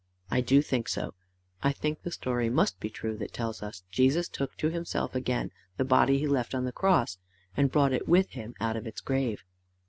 "I do think so. I think the story must be true that tells us Jesus took to himself again the body he left on the cross, and brought it with him out of its grave."